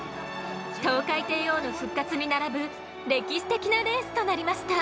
トウカイテイオーの復活に並ぶ歴史的なレースとなりました。